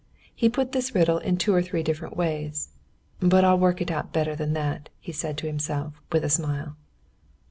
He put this riddle into two or three different ways. "But I'll work it out better than that," he said to himself with a smile.